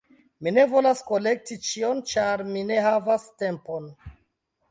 Mi ne volas kolekti ĉion, ĉar mi ne havas tempon.